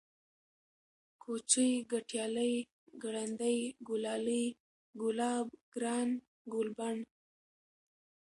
كوچى ، گټيالی ، گړندی ، گلالی ، گلاب ، گران ، گلبڼ